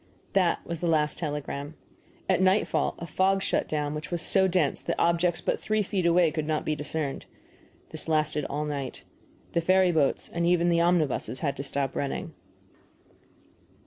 That was the last telegram. At nightfall a fog shut down which was so dense that objects but three feet away could not be discerned. This lasted all night. The ferry boats and even the omnibuses had to stop running.